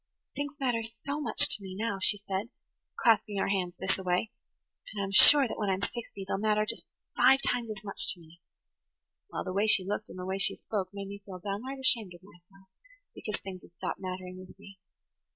'Things matter so much to me now,' she says, clasping her hands [Page 85] thisaway, 'and I'm sure that when I'm sixty they'll matter just five times as much to me.' Well, the way she looked and the way she spoke made me feel downright ashamed of myself because things had stopped mattering with me.